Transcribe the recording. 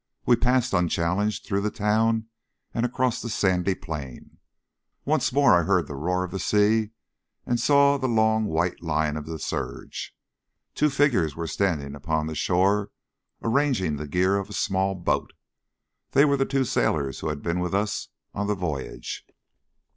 We passed unchallenged through the town and across the sandy plain. Once more I heard the roar of the sea, and saw the long white line of the surge. Two figures were standing upon the shore arranging the gear of a small boat. They were the two sailors who had been with us on the voyage.